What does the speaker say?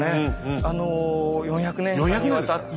あの４００年間にわたって。